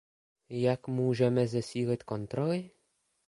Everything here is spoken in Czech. Jak můžeme zesílit kontroly?